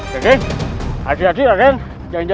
tidak ada apa apa